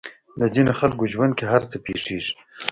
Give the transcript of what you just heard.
د ځينې خلکو ژوند کې هر څه پېښېږي.